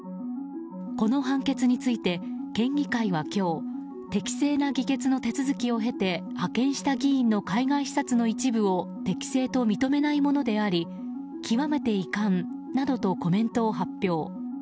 この判決について、県議会は今日適正な議決の手続きを経て派遣した議員の海外視察の一部を適正と認めないものであり極めて遺憾などとコメントを発表。